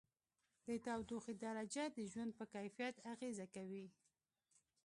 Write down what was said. د تودوخې درجه د ژوند په کیفیت اغېزه کوي.